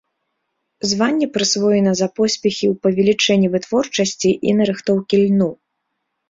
Званне прысвоена за поспехі ў павелічэнні вытворчасці і нарыхтоўкі льну.